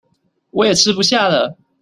我也吃不下了